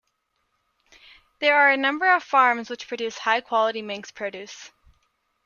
There are a number of farms which produce high quality Manx produce.